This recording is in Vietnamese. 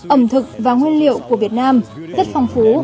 ẩm thực và nguyên liệu của việt nam rất phong phú